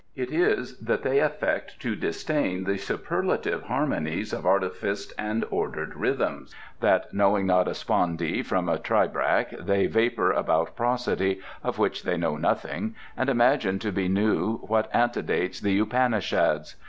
It is that they affect to disdain the superlative harmonies of artificed and ordered rhythms; that knowing not a spondee from a tribrach they vapour about prosody, of which they know nothing, and imagine to be new what antedates the Upanishads.